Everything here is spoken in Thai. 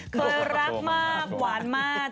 เคยรักมากหวานมาก